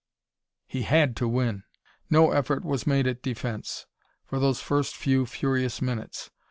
He had to win. No effort was made at defense, for those first few furious minutes.